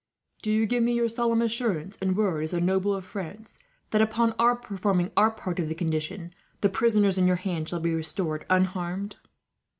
"Do you give me your solemn assurance and word, as a noble of France, that upon our performing our part of the condition, the prisoners in your hands shall be restored unharmed?"